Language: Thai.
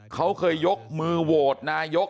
เขาเคยยกมือโหวตนายก